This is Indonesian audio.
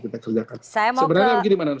bisa kita kerjakan sebenarnya begini manan